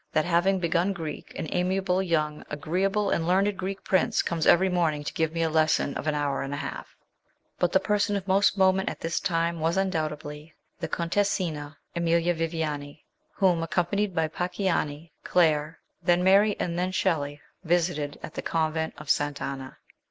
that, having begun Greek, an amiable, young, agree able, and learned Greek prince comes every morning to give me a lesson of an hour and a half/' But the person of most moment at this time was undoubtedly the Contessina Emilia Viviani, whom, accompanied by Pacchiani, Claire, then Mary, and then Shelley, visited at the Convent of Sant' Anna.